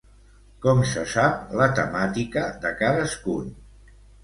Com se sap la temàtica de cadascun?